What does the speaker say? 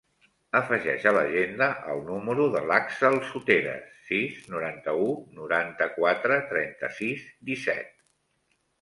Afegeix a l'agenda el número de l'Àxel Soteras: sis, noranta-u, noranta-quatre, trenta-sis, disset.